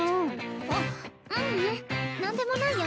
あっううん何でもないよ。